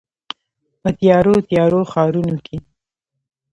په تیارو، تیارو ښارونو کې